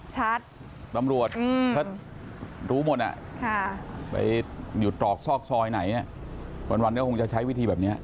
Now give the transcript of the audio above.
ตำรวจถ้ารู้หมดไปอยู่ตรอกซอกซอยไหนวันก็คงจะใช้วิธีแบบนี้